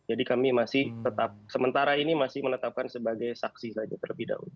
jadi kami masih tetap sementara ini masih menetapkan sebagai saksi saja terlebih dahulu